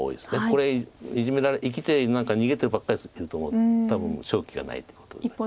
これ生きて何か逃げてるばっかりしてるともう多分勝機がないってことになる。